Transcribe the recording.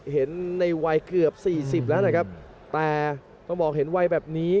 เห็นในวัยเกือบสี่สิบแล้วนะครับแต่ต้องบอกเห็นวัยแบบนี้